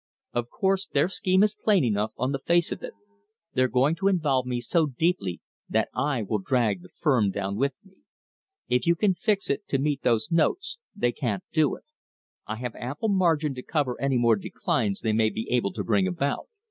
Of course their scheme is plain enough on the face of it. They're going to involve me so deeply that I will drag the firm down with me. "If you can fix it to meet those notes, they can't do it. I have ample margin to cover any more declines they may be able to bring about.